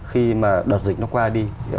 khi mà đợt dịch nó qua đi